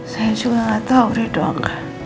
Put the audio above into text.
saya juga nggak tahu ridho